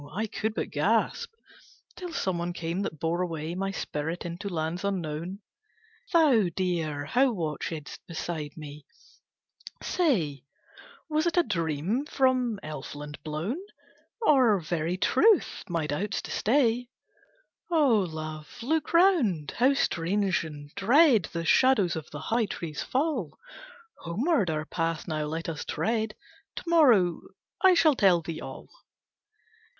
I could but gasp, Till someone came that bore away My spirit into lands unknown: Thou, dear, who watchedst beside me, say Was it a dream from elfland blown, Or very truth, my doubts to stay." "O Love, look round, how strange and dread The shadows of the high trees fall, Homeward our path now let us tread, To morrow I shall tell thee all.